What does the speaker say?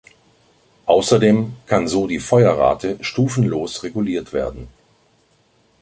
Außerdem kann so die Feuerrate stufenlos reguliert werden.